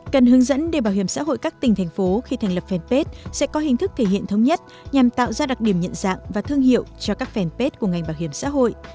cần hướng dẫn để bảo hiểm xã hội các tỉnh thành phố khi thành lập fanpage sẽ có hình thức thể hiện thống nhất nhằm tạo ra đặc điểm nhận dạng và thương hiệu cho các fanpage của ngành bảo hiểm xã hội